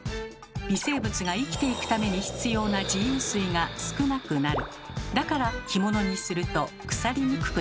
微生物が生きていくために必要な自由水が少なくなる。